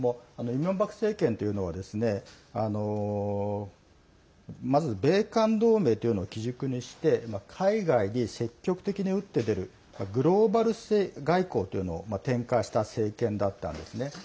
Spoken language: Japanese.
イ・ミョンバク政権というのはまず、米韓同盟というのを基軸にして海外に積極的に打って出るグローバル外交というのを展開した政権だったんですね。